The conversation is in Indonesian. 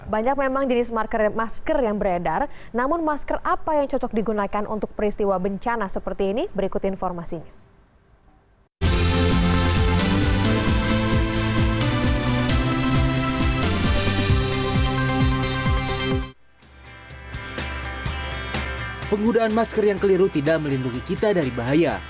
banyak memang jenis masker yang beredar namun masker apa yang cocok digunakan untuk peristiwa bencana seperti ini berikut informasinya